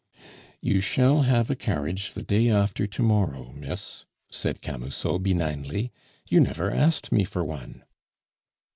"You shall have a carriage the day after to morrow, miss," said Camusot benignly; "you never asked me for one."